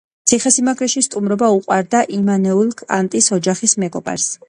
ციხესიმაგრეში სტუმრობა უყვარდა იმანუელ კანტის, ოჯახის მეგობარს.